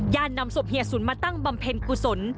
ย่านนำศพเหยียดศูนย์มาตั้งบำเพ็ญกุศล